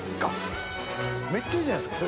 めっちゃいいじゃないですか。